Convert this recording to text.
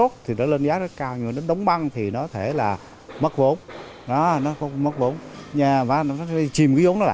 thì cái dòng tiền đó